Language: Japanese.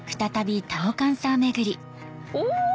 お！